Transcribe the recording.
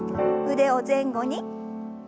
腕を前後に。